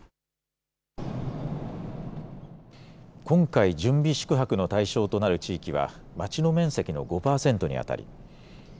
今回、準備宿泊の対象となる地域は町の面積の５％にあたり